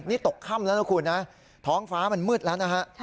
นี่ตกค่ำแล้วนะคุณนะท้องฟ้ามันมืดแล้วนะฮะ